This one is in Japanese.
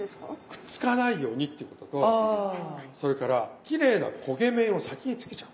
くっつかないようにっていうこととそれからきれいな焦げ目を先につけちゃう。